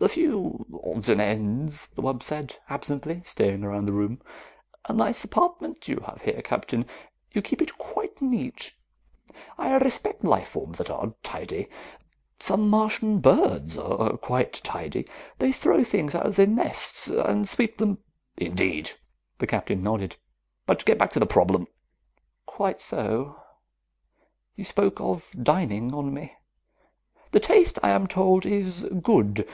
"A few odds and ends," the wub said absently, staring around the room. "A nice apartment you have here, Captain. You keep it quite neat. I respect life forms that are tidy. Some Martian birds are quite tidy. They throw things out of their nests and sweep them " "Indeed." The Captain nodded. "But to get back to the problem " "Quite so. You spoke of dining on me. The taste, I am told, is good.